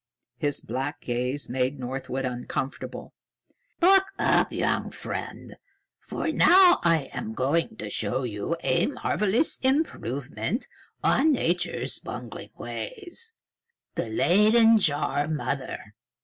His black gaze made Northwood uncomfortable. "Buck up, young friend, for now I am going to show you a marvelous improvement on Nature's bungling ways the Leyden jar mother."